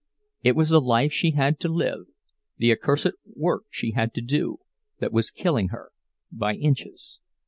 It was the life she had to live, the accursed work she had to do, that was killing her by inches.